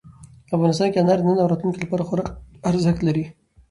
افغانستان کې انار د نن او راتلونکي لپاره خورا ارزښت لري.